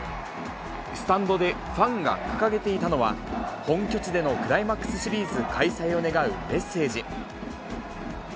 スタンドでファンが掲げていたのは、本拠地でのクライマックスシリーズ開催を願うメッセージ。